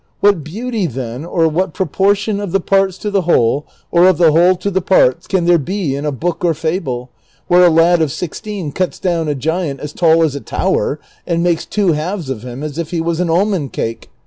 What beauty, then, or what proportion of the parts to the whole, or of the whole to the parts, can there be in a book or fable where a lad of sixteen cuts down a giant as tall as a tower and makes two halves of him as if he was an almond cake